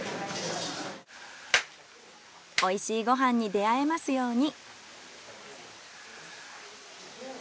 おいしいご飯に出会えますように。